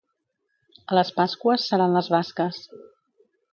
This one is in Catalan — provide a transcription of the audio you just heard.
A les Pasqües seran les basques.